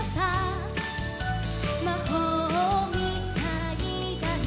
「まほうみたいだね